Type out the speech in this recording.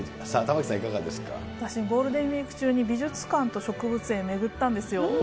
私、ゴールデンウィーク中に美術館と植物園巡ったんですよ。